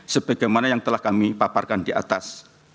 sebagaimana yang telah kami paparkan di atas